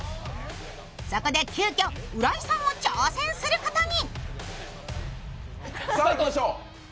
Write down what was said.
そこで急きょ、浦井さんも挑戦することに。